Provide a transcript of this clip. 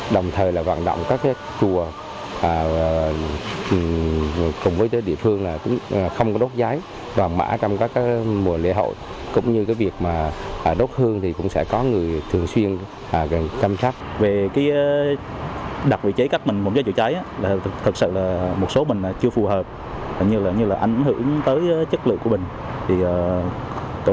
đồng thời là hoạt động các chùa cùng với địa phương không có đốt cháy và mã trong các mùa lễ hội